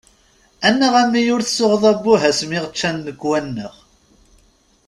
Annaɣ, a mmi! Ur tsuɣeḍ "abbuh" ass-mi yaɣ-ččan nnekwa-nneɣ!